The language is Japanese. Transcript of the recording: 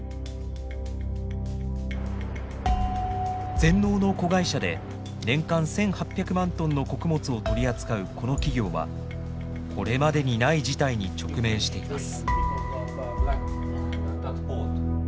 全農の子会社で年間１，８００万トンの穀物を取り扱うこの企業はこれまでにない事態に直面しています。